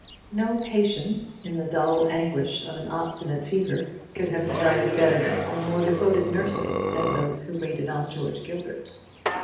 No patient, in the dull anguish of an obstinate fever, could have desired better or more devoted nurses than those who waited on George Gilbert.